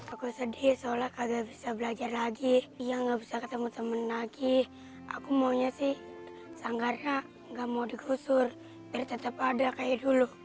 aku sedih seolah kagak bisa belajar lagi dia gak bisa ketemu temen lagi aku maunya sih sanggarnya gak mau digusur dia tetap ada kayak dulu